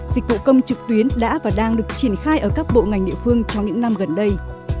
dịch vụ công trực tuyến đã và đang được triển khai ở các bộ ngành địa phương trong những năm gần đây